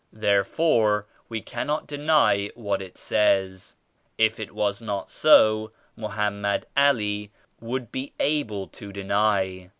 Therefore we cannot deny what it says. If it was not so Mohammed Ali would be able to deny.